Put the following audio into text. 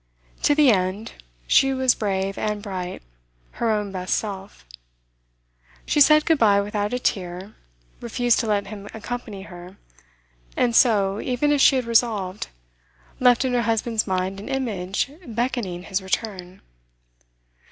To the end, she was brave and bright, her own best self. She said good bye without a tear, refused to let him accompany her, and so, even as she had resolved, left in her husband's mind an image beckoning his return.